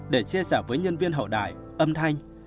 để chia sẻ với nhân viên hậu đại âm thanh